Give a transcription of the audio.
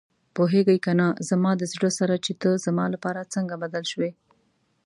پوهېږې کنه زما د زړه سره چې ته زما لپاره څنګه بدل شوې.